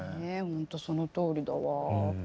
ほんとそのとおりだわ。